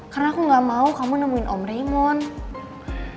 karena aku gak mau kamu nemuin om raymond